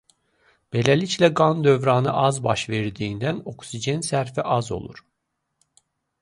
Beləliklə qan dövranı az baş verdiyindən oksigen sərfi az olur.